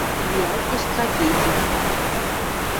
лиӓлтеш трагедий —